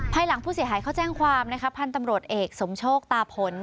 หลังผู้เสียหายเขาแจ้งความนะคะพันธุ์ตำรวจเอกสมโชคตาผล